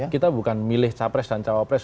kita bukan milih capres dan cawapres